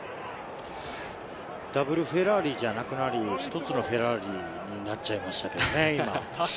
ダブルフェラーリじゃなくなり、一つのフェラーリになっちゃいましたけどね、今。